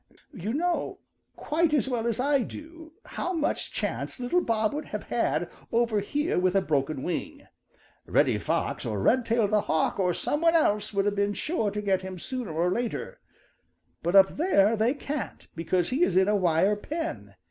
You know quite as well as I do how much chance little Bob would have had over here with a broken wing. Reddy Fox or Redtail the Hawk or some one else would have been sure to get him sooner or later. But up there they can't, because he is in a wire pen.